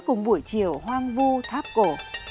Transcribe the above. cùng buổi chiều hoang vu tháp cổ